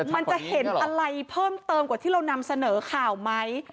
มันจะเห็นอะไรเพิ่มเติมกว่าที่เรานำเสนอข่าวไหม